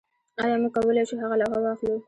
ایا موږ کولی شو هغه لوحه واخلو